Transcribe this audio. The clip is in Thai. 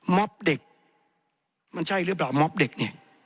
เด็กมันใช่หรือเปล่าม็อบเด็กเนี่ย